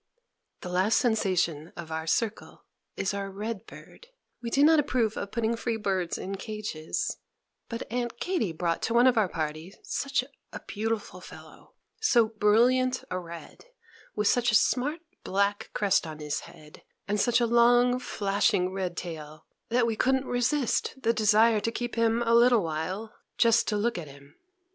The last sensation of our circle is our red bird. We do not approve of putting free birds in cages; but Aunt Katy brought to one of our party such a beautiful fellow, so brilliant a red, with such a smart, black crest on his head, and such a long, flashing red tail, that we couldn't resist the desire to keep him a little while, just to look at him.